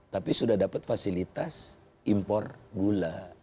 tapi sudah dapat fasilitas impor gula